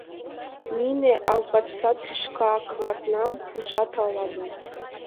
— Нине албаста тӱшка клатнам пужат ала-мо.